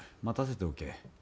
待たせておけ。